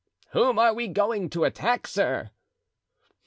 "Whom are we going to attack, sir?"